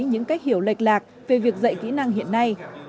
những cách hiểu lệch lạc về việc dạy kỹ năng hiện nay